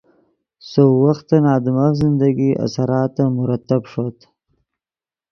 سؤ وختن آدمف زندگی اثراتے مرتب ݰوت